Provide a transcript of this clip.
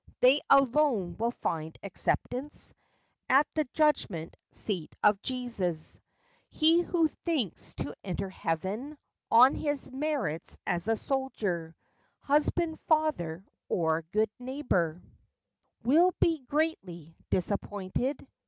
They alone will find acceptance At the judgment seat of Jesus. He who thinks to enter heaven On his merits as a soldier, Husband, father, or good neighbor, 32 FACTS AND FANCiES. Will be greatly disappointed.